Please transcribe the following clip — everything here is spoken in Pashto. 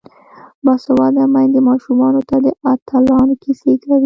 باسواده میندې ماشومانو ته د اتلانو کیسې کوي.